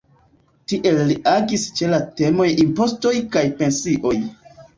Tiel li agis ĉe la temoj impostoj kaj pensioj.